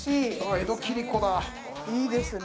江戸切子だいいですね